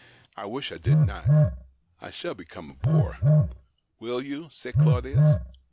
I wish I did not. I shall become a bore." " Will you ?" said Claudius.